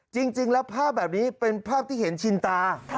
จริงแล้วภาพแบบนี้เป็นภาพที่เห็นชินตา